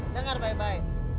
eh dengar baik baik